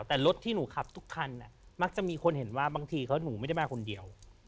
แต่รถที่หนูขับทุกคันมักจะมีคนเห็นว่าบางทีหนูไม่ได้มาคนเดียว